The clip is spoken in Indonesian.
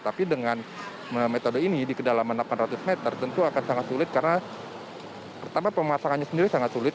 tapi dengan metode ini di kedalaman delapan ratus meter tentu akan sangat sulit karena pertama pemasangannya sendiri sangat sulit